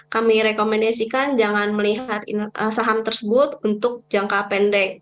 kami rekomendasikan jangan melihat saham tersebut untuk jangka pendek